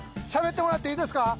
しゃべってもらっていいですか。